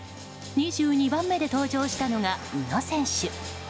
２２番目で登場したのが宇野選手。